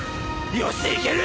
よしいける！